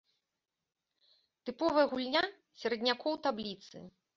Тыповая гульня сераднякоў табліцы.